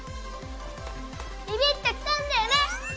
ビビっときたんだよね！